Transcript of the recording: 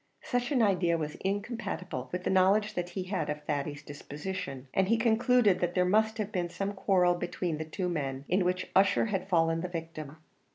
Such an idea was incompatible with the knowledge that he had of Thady's disposition, and he concluded that there must have been some quarrel between the two men, in which Ussher had fallen the victim.